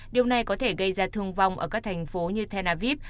điều này có thể gây ra thương vong ở các thành phố như tel aviv